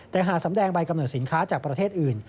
แต่หากสำแดงใบกำเนิดสินค้าจากประเทศอื่น